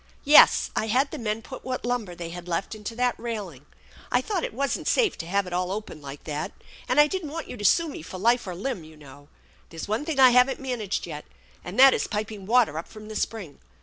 Yes, I had the men put what lumber they had left into that railing. I thought it wasn't safe to have it all open like that, and I didn't want you to sue me for life or limb, you know. There's one thing I haven't managed yet, and that is piping water up from the spring.